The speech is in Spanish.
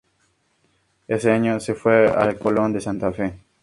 Ese año se fue al Colón de Santa Fe.